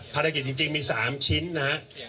ภารกิจจริงมี๓ชิ้นนะครับ